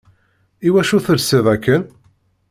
Iwacu telsiḍ akken?